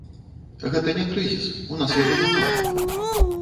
Гэта не крызіс, у нас яго няма.